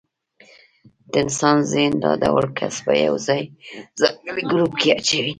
د انسان ذهن دا ډول کس په یو ځانګړي ګروپ کې اچوي.